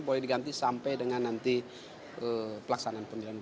boleh diganti sampai dengan nanti pelaksanaan pemilu